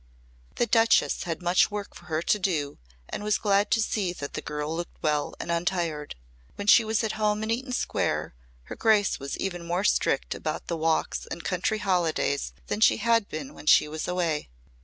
The Duchess had much work for her to do and was glad to see that the girl looked well and untired. When she was at home in Eaton Square her grace was even more strict about the walks and country holidays than she had been when she was away.